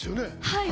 はい。